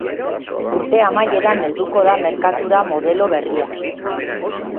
Urte amaieran helduko da merkatura modelo berria.